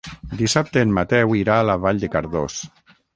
Dissabte en Mateu irà a Vall de Cardós.